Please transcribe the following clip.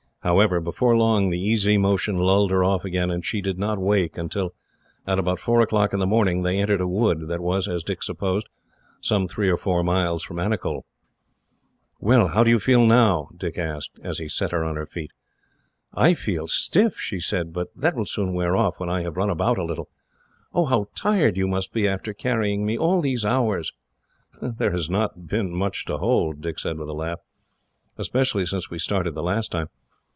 However, before long the easy motion lulled her off again, and she did not wake until, at about four o'clock in the morning, they entered a wood that was, as Dick supposed, some three or four miles from Anicull. "Well, how do you feel now?" Dick asked, as he set her on her feet. "I feel stiff," she said; "but that will soon wear off, when I have run about a little. Oh, how tired you must be, after carrying me all these hours!" "There has not been much to hold," Dick said with a laugh, "especially since we started the last time.